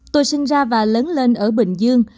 tôi sinh ra và lớn lên ở bình dương